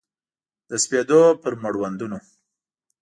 د سپېدو پر مړوندونو